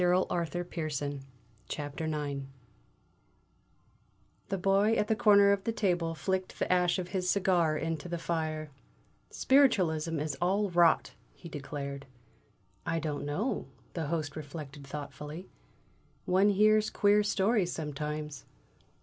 IX THE TRAGEDY AT THE "LOUP NOIR" The Boy at the corner of the table flicked the ash of his cigar into the fire. "Spiritualism is all rot!" he declared. "I don't know," the Host reflected thoughtfully. "One hears queer stories sometimes."